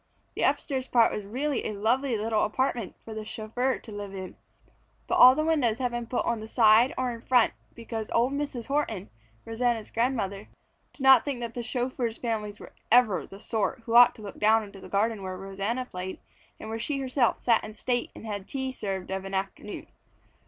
The upstairs part was a really lovely little apartment for the chauffeur to live in, but all the windows had been put on the side or in front because old Mrs. Horton, Rosanna's grandmother, did not think that chauffeurs' families were ever the sort who ought to look down into the garden where Rosanna played and where she herself sat in state and had tea served of an afternoon.